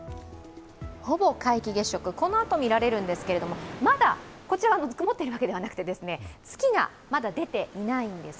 ほぼ皆既月食、このあと見られるんですけれども、こちらは曇っているわけではなくて、月がまだ出ていないんです。